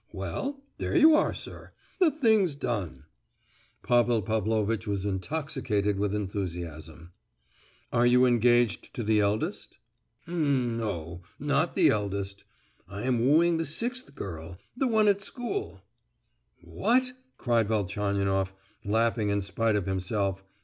Well, there you are, sir—the thing's done." Pavel Pavlovitch was intoxicated with enthusiasm. "Are you engaged to the eldest?" "N—no;—not the eldest. I am wooing the sixth girl, the one at school." "What?" cried Velchaninoff, laughing in spite of himself.